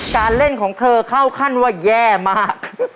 การเล่นของเธอเข้าขั้นว่าแย่มาก